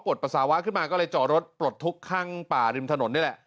ปัสสาวะขึ้นมาก็เลยจอดรถปลดทุกข์ข้างป่าริมถนนนี่แหละ